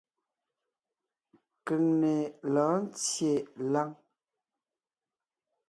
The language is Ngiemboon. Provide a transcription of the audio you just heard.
Keŋne lɔ̌ɔn ńtyê láŋ.